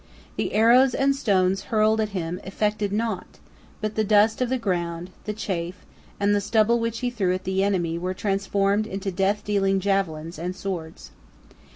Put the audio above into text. The arrows and stones hurled at him effected naught, but the dust of the ground, the chaff, and the stubble which he threw at the enemy were transformed into death dealing javelins and swords.